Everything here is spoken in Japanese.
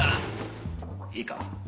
いいか？